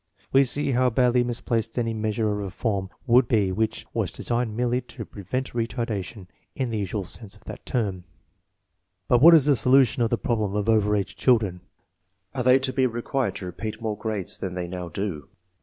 We see how badly misplaced any measure of reform would be which was designed merely to "pre vent retardation/' in the usual sense of that term. But what is the solution of the problem of over age children? Are they to be required to repeat more grades than they now do?